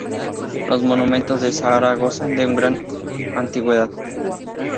Los monumentos de Zahara gozan de un gran antigüedad.